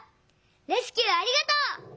レスキューありがとう！」。